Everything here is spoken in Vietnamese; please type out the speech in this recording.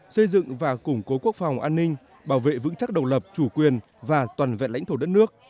xây dựng và củng cố quốc phòng an ninh bảo vệ vững chắc độc lập chủ quyền và toàn vẹn lãnh thổ đất nước